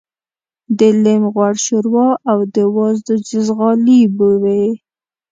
د لېم غوړ شوروا او د وازدو جیزغالي به وې.